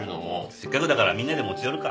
せっかくだからみんなで持ち寄るか。